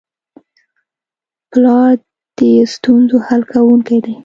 پلار د ستونزو حل کوونکی دی.